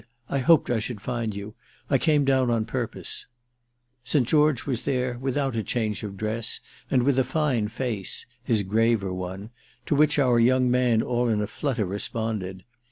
I hoped I should find you. I came down on purpose." St. George was there without a change of dress and with a fine face—his graver one—to which our young man all in a flutter responded.